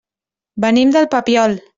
Venim del Papiol.